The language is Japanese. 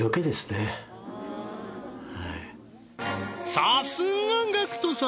さすがＧＡＣＫＴ様